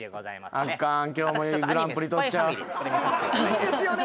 いいですよね。